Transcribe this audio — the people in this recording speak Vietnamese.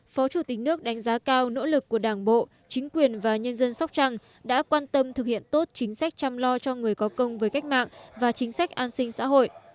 phó chủ tịch nước đánh giá cao nỗ lực của đảng bộ chính quyền và nhân dân sóc trăng đã quan tâm thực hiện tốt chính sách chăm lo cho người có công với cách mạng và chính sách an sinh xã hội